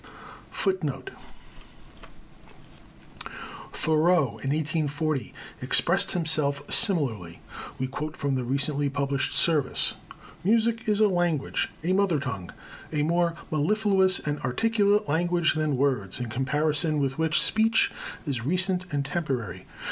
"[G] [G] Thoreau, in 1840, expressed himself similarly. We quote from the recently published Service. "Music is a language, a mother tongue, a more mellifluous and articulate language than words, in comparison with which speech is recent and temporary.